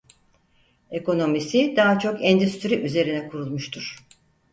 Ekonomisi daha çok endüstri üzerine kurulmuştur.